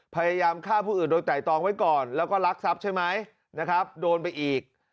พยายามฆ่าผู้อื่นโดยไต่ตองไว้ก่อนแล้วก็รักทรัพย์ใช่ไหมนะครับโดนไปอีก